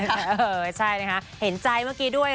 เออใช่นะคะเห็นใจเมื่อกี้ด้วย